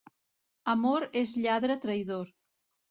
Amor és lladre traïdor.